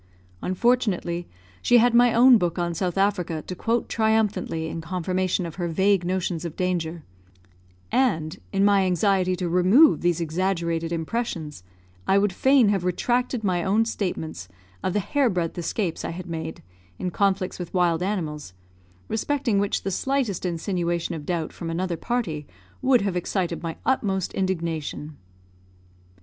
Unfortunately, she had my own book on South Africa to quote triumphantly in confirmation of her vague notions of danger; and, in my anxiety to remove these exaggerated impressions, I would fain have retracted my own statements of the hair breadth escapes I had made, in conflicts with wild animals, respecting which the slightest insinuation of doubt from another party would have excited my utmost indignation.